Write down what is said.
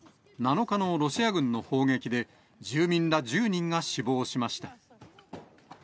７日のロシア軍の攻撃で、住民ら１０人が死亡しました。